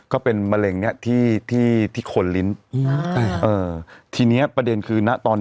ก็เป็นมะเร็งที่ขนลิ้นทีนี้ประเด็นคือนะ